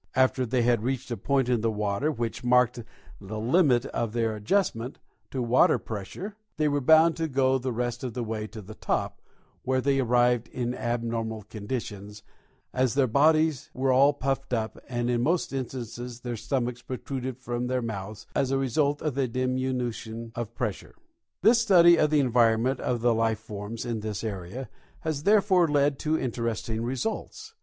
After they had reached a point in the water which marked the limit of their adjustment to water pressure, they were bound to go the rest of the way to the top, where they arrived in abnormal condition, as their bodies were all puffed up, and in most instances their stomachs protruded from their mouths as a result of the diminution of pressure. This study of the environment of the life forms in this area has therefore led to interesting results.